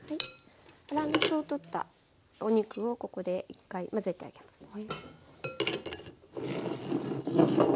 粗熱を取ったお肉をここで１回混ぜてあげますね。